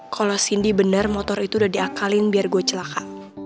kalau cindy benar motor itu udah diakalin biar gue celaka